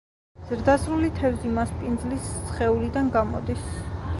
ზრდასრული თევზი მასპინძლის სხეულიდან გამოდის.